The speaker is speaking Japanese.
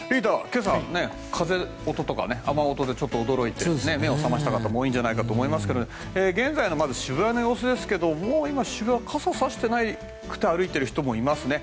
今朝、風の音とか雨音でちょっと驚いて目を覚ました方も多いと思いますが現在の渋谷の様子ですが今、渋谷は傘を差さず歩いている人もいますね。